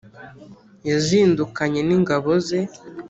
yazindukanye n'ingabo ze